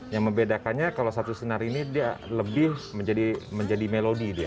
yang membedakannya kalau satu senar ini dia lebih menjadi melodi dia